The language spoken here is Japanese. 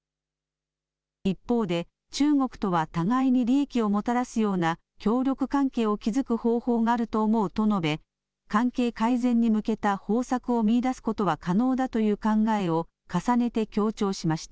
一方で中国とは互いに利益をもたらすような協力関係を築く方法があると思うと述べ関係改善に向けた方策を見いだすことは可能だという考えを重ねて強調しました。